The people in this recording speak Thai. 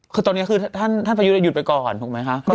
คือตอนนี้คือท่านประยุทธ์หยุดไปก่อนถูกไหมคะ